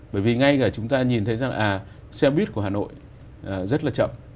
bởi vì ngay cả chúng ta nhìn thấy rằng à xe buýt của hà nội rất là chậm